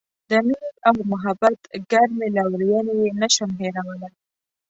د مینې او محبت ګرمې لورینې یې نه شم هیرولای.